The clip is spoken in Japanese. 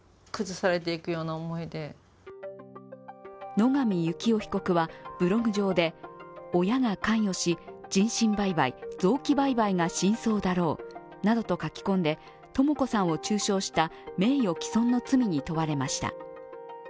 野上幸雄被告はブログ上で、親が関与し、人身売買、臓器売買が真相だろうなどと書き込んでとも子さんを中傷した名誉毀損の罪に問われました。